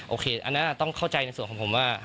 อันนั้นต้องเข้าใจในส่วนของผมว่า